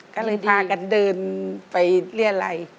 ก็เลยพากันเดินไปเรียรัย